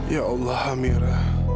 ya allah amira